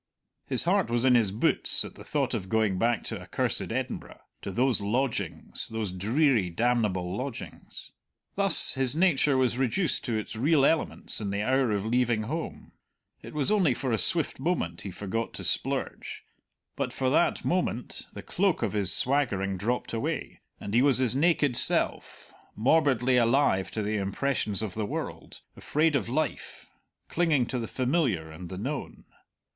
His heart was in his boots at the thought of going back to accursed Edinburgh to those lodgings, those dreary, damnable lodgings. Thus his nature was reduced to its real elements in the hour of leaving home; it was only for a swift moment he forgot to splurge, but for that moment the cloak of his swaggering dropped away, and he was his naked self, morbidly alive to the impressions of the world, afraid of life, clinging to the familiar and the known.